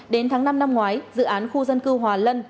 đến tháng năm năm ngoái dự án khu dân cư hòa lân